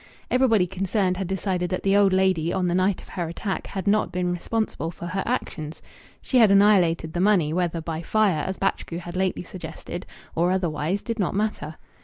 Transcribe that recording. Everybody concerned had decided that the old lady on the night of her attack had not been responsible for her actions. She had annihilated the money whether by fire, as Batchgrew had lately suggested, or otherwise, did not matter.